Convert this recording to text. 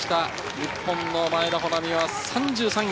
日本の前田穂南は３３位。